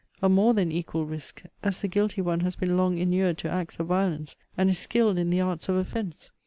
A more than equal risque, as the guilty one has been long inured to acts of violence, and is skilled in the arts of offence?